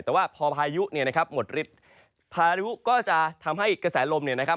แต่ว่าพอพายุเนี่ยนะครับหมดฤทธิ์พายุก็จะทำให้กระแสลมเนี่ยนะครับ